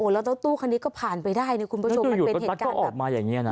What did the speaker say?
แล้วรถตู้คันนี้ก็ผ่านไปได้นะคุณผู้ชมมันเป็นเหตุการณ์ที่ออกมาอย่างนี้นะ